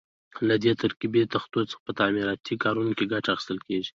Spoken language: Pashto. له دې ترکیبي تختو څخه په تعمیراتي کارونو کې ګټه اخیستل کېږي.